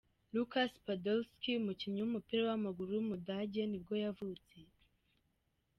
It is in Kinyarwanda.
Lukas Podolski, umukinnyi w’umupira w’amaguru w’umudage nibwo yavutse.